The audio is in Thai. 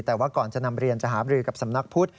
แต่ว่าก่อนจะนำเรียนจะหาบรือกับสำนักพุทธ